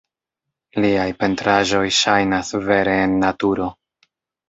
Liaj pentraĵoj ŝajnas vere en naturo.